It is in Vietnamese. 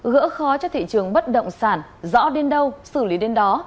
gỡ khó cho thị trường bất động sản rõ đến đâu xử lý đến đó